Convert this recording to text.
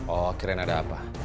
oh kirain ada apa